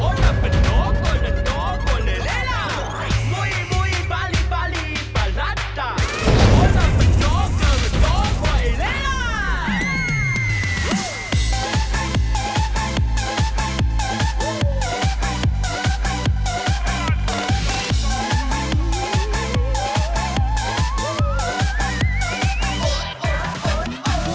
โอน่าเป็นโน้เกินเทาะให้เล่ล่า